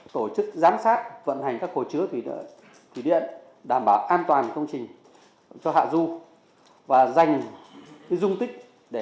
tổ chức giám sát vận hành các khổ chứa tùy điện đảm bảo an toàn công trình